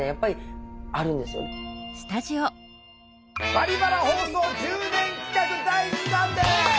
「バリバラ」放送１０年企画第２弾です。